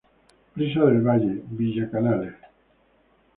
Brisas del Valle, Villa Canales.